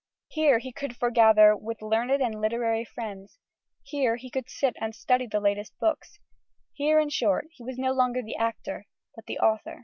Here he could foregather with learned and literary friends; here he could sit and study the latest books; here, in short, he was no longer the actor, but the author.